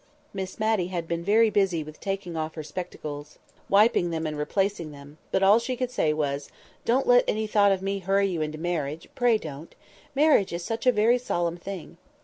Miss Matty had been very busy with taking off her spectacles, wiping them, and replacing them; but all she could say was, "Don't let any thought of me hurry you into marriage: pray don't. Marriage is such a very solemn thing!"